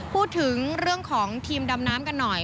พูดถึงเรื่องของทีมดำน้ำกันหน่อย